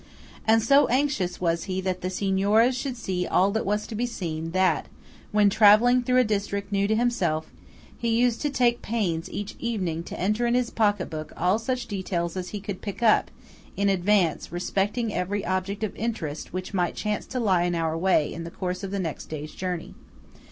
And so anxious was he that the Signoras should see all that was to be seen, that, when travelling through a district new to himself, he used to take pains each evening to enter in his pocket book all such details as he could pick up in advance respecting every object of interest which might chance to lie in our way in the course of the next day's journey.